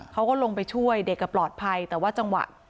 เขาก็ลงไปช่วยเด็กปลอดภัยแต่ว่าจังหวะ